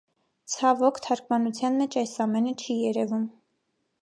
Ցավոք, թարգմանության մեջ այս ամենը չի երևում։